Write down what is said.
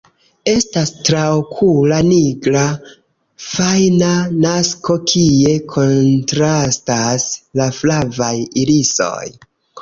Estas traokula nigra fajna masko kie kontrastas la flavaj irisoj.